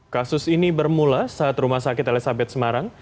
kasus ini bermula saat rumah sakit elizabeth semarang